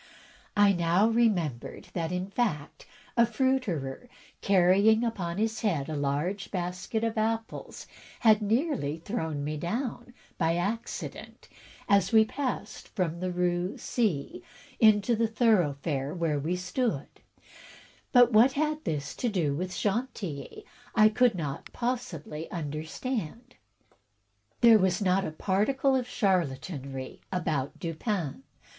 I now remembered that, in fact, a fruiterer, carrying upon his head a large basket of apples, had nearly thrown me down, by accident, as we passed from the Rue C into the thoroughfare where we stood; but what had this to do with Chantilly I could not possibly understand. There was not a particle of charlatanerie about Dupin.